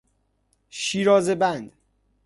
شیرازه بند